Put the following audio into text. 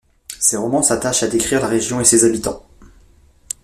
Ces romans s'attachent à décrire la région et ses habitants.